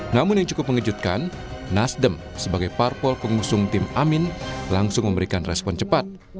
namun yang cukup mengejutkan nasdem sebagai parpol pengusung tim amin langsung memberikan respon cepat